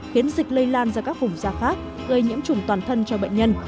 khiến dịch lây lan ra các vùng da phát gây nhiễm trùng toàn thân cho bệnh nhân